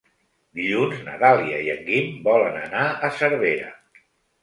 Dilluns na Dàlia i en Guim volen anar a Cervera.